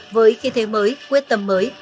với khi thế mới quyết tâm mới